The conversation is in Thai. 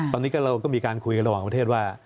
ตอนนี้เราก็มีการคุยกันระหว่างประเทศว่า